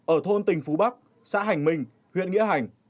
ở thôn tình phú bắc xã hành minh huyện nghĩa hành